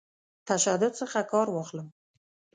تشدد څخه کار واخلم.